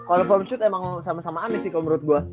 kalau form shoot emang sama sama aneh sih kalau menurut gue